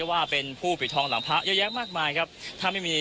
ว่าเป็นผู้ปิดทองหลังพระเยอะแยะมากมายครับถ้าไม่มี